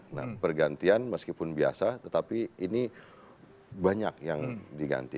nah pergantian meskipun biasa tetapi ini banyak yang diganti